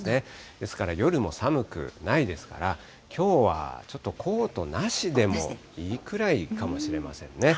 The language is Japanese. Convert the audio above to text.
ですから、夜も寒くないですから、きょうはちょっとコートなしでもいいくらいかもしれませんね。